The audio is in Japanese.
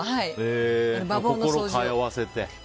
心を通わせて？